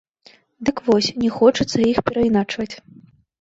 Дык вось, не хочацца іх перайначваць.